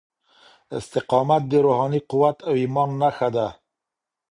استقامت د روحاني قوت او ايمان نښه ده.